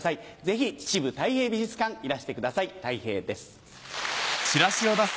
ぜひ秩父たい平美術館いらしてくださいたい平です。